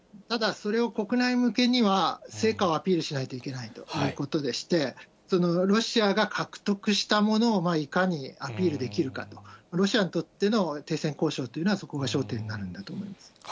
ただ、それを国内向けには、成果をアピールしないといけないということでして、そのロシアが獲得したものを、いかにアピールできるかと、ロシアにとっての停戦交渉というのは、そこが焦点になるんだと思います。